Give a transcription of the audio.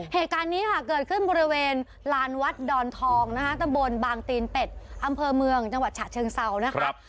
เหตุการณ์นี้ค่ะเกิดขึ้นบริเวณลานวัดดอนทองนะคะตำบลบางตีนเป็ดอำเภอเมืองจังหวัดฉะเชิงเซานะครับ